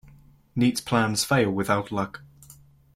Neat plans fail without luck.